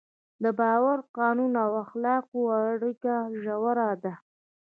د باور، قانون او اخلاقو اړیکه ژوره ده.